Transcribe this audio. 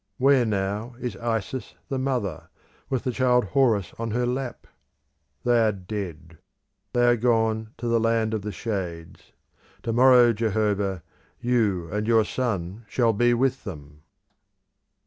Where now is Isis the mother, with the child Horus on her lap? They are dead; they are gone to the land of the shades. To morrow, Jehovah, you and your son shall be with them!